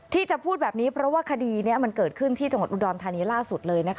ที่จะพูดแบบนี้เพราะว่าคดีนี้มันเกิดขึ้นที่จังหวัดอุดรธานีล่าสุดเลยนะคะ